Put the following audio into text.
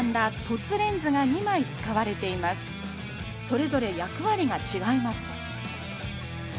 それぞれ役割が違います。